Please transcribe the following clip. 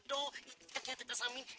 itu yang jual gado gado